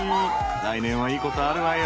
来年はいいことあるわよ。